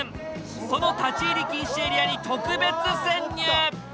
その立ち入り禁止エリアに特別潜入！